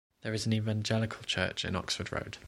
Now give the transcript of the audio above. There is an Evangelical church in Oxford Road.